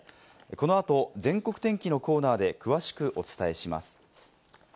この後、全国天気のコーナーで詳しくお伝えします。